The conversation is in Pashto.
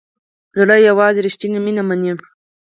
زړه یوازې ریښتیني مینه مني.